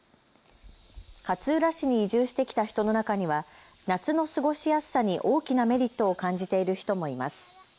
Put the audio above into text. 勝浦市に移住してきた人の中には夏の過ごしやすさに大きなメリットを感じている人もいます。